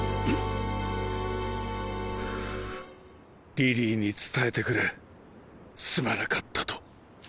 リリーに伝えてくれすまなかったと。